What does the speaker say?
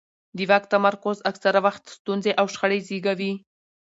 د واک تمرکز اکثره وخت ستونزې او شخړې زیږوي